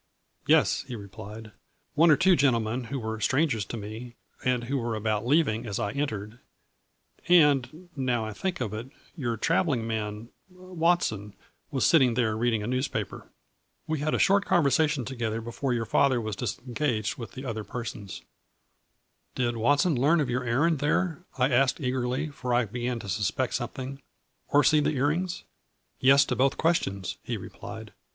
"Yes," he replied, "one or two gentlemen who were strangers to me, and who were about leaving as I entered, and, now I think of it, your traveling man, Watson, was sitting there reading a newspaper. We had a short con versation together before your father was dis engaged with the other persons." 202 A FLUJRBT IN DIAMONDS. " Did Watson learn of your errand there ?" I asked eagerly, for I began to suspect some thing " or see the ear rings ?"" Yes, to both questions," he replied.